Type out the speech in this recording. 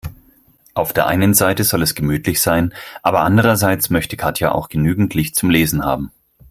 Auf der einen Seite soll es gemütlich sein, aber andererseits möchte Katja auch genügend Licht zum Lesen haben.